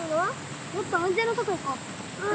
もっと安全なとこ行こう。